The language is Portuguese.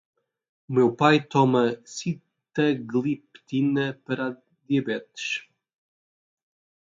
O meu pai toma sitagliptina para a diabetes